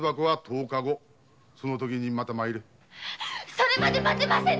それまで待てませぬ。